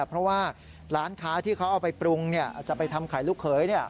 เพราะว่าร้านค้าที่เขาเอาไปปรุงจะไปทำไข่ลูกเขย